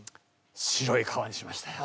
白い革にしましたよ。